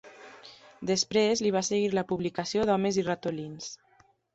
Després li va seguir la publicació d'"Homes i ratolins".